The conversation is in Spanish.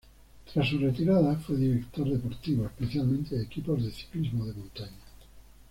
Tras su retirada fue director deportivo, especialmente de equipos de ciclismo de montaña.